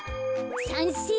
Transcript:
さんせい！